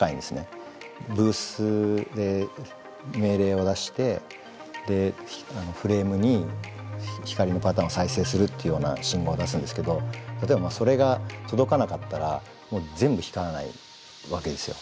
ブースで命令を出してフレームに光のパターンを再生するっていうような信号を出すんですけど例えばそれが届かなかったら全部光らないわけですよ。